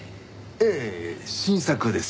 ええ新作です。